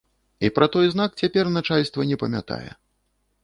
І пра той знак цяпер начальства не памятае.